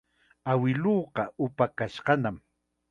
Awiluuqa upayashqanam.